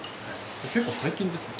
結構最近ですね。